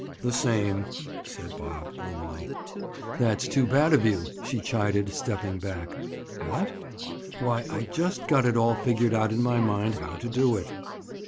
"The same," said Bob gloomily. "That's too bad of you," she chided him, stepping back. "What?" "Why, I'd just got it all figured out in my mind how to do it."